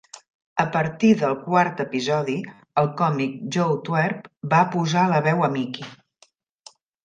A partir del quart episodi, el còmic Joe Twerp va posar la veu a Mickey.